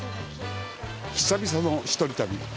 久々の一人旅。